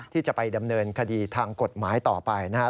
ที่จะไปดำเนินคดีทางกฎหมายต่อไปนะครับ